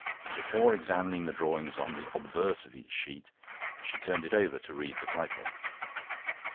Before examining the drawing on the obverse of each sheet, she turned it over to read the title.